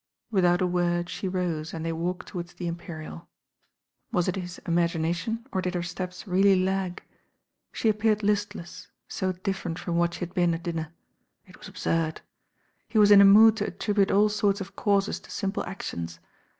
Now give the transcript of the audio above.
Without a word she rose and they walked towards the Imperial. Wat it his imagination, or did her steps reaUy lag? She appeared listless, so differ ent from what she had been at dinner. It was ab surd. He was in a mood to attribute all sorts of causes to simple actions.